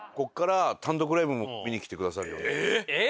「えっ！」